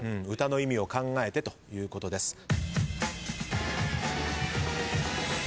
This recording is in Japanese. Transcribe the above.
歌の意味を考えてということです。